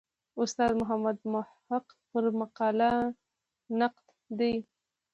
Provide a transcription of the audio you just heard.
استاد محمد محق پر مقاله نقد دی.